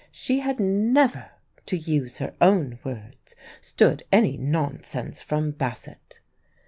She had never to use her own words stood any nonsense from Bassett.